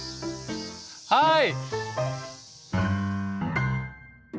はい！